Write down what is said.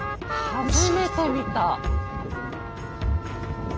初めて見た。